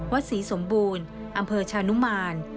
ศรีสมบูรณ์อำเภอชานุมาน